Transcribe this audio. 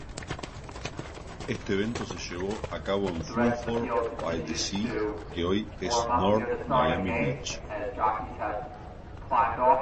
Este evento se llevó a cabo en Fulford-by-the-Sea, que hoy es North Miami Beach.